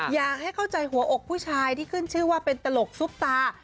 อยากให้เข้าใจหัวอกผู้ชายที่ขึ้นชื่อว่าเป็นตลกซุปตา